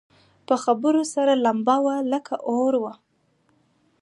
په خبرو سره لمبه وه لکه اور وه